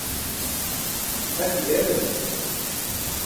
Axaći eewalimi.